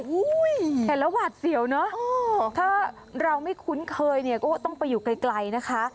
เห็นแล้วหวาดเสียวเนอะถ้าเราไม่คุ้นเคยเนี่ยก็ต้องไปอยู่ไกลนะคะ